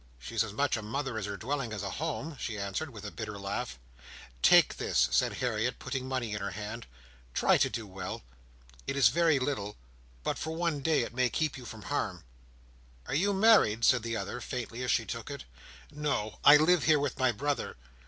She's as much a mother, as her dwelling is a home," she answered with a bitter laugh. "Take this," cried Harriet, putting money in her hand. "Try to do well. It is very little, but for one day it may keep you from harm." "Are you married?" said the other, faintly, as she took it. "No. I live here with my brother.